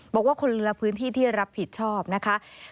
บอกว่าคนละพื้นที่ที่รับผิดชอบนะคะ